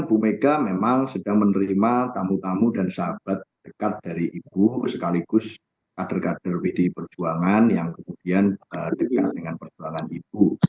ibu mega memang sedang menerima tamu tamu dan sahabat dekat dari ibu sekaligus kader kader pdi perjuangan yang kemudian dekat dengan perjuangan ibu